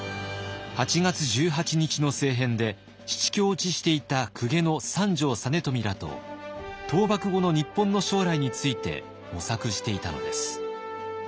八月十八日の政変で七落ちしていた公家の三条実美らと倒幕後の日本の将来について模索していたのです。